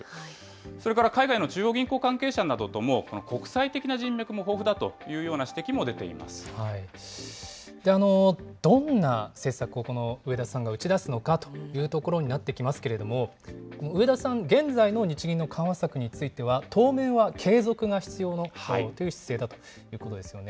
それから海外の中央銀行関係者などとも国際的な人脈も豊富だといどんな政策を、この植田さんが打ち出すのかというところになってきますけれども、この植田さん、現在の日銀の緩和策については、当面は継続が必要という姿勢だということですよね。